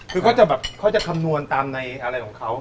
คือเขาจะแบบเขาจะคำนวณตามในอะไรของเขา